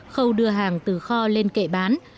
khâu đưa hàng từ kho lên kệ bán